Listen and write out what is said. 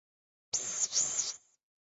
盘子现在已经空了。